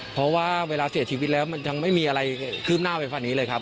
เพราะว่าเวลาเสียชีวิตแล้วมันยังไม่มีอะไรคืบหน้าไปฟันนี้เลยครับ